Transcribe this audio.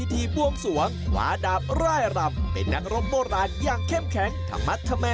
ทรัพย์บรรยายาคม